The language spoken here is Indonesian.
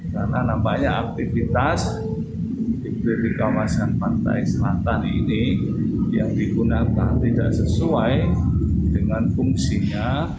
karena nampaknya aktivitas di bibir kawasan pantai selatan ini yang digunakan tidak sesuai dengan fungsinya